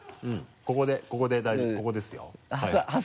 ここでここで大丈夫ここですよ。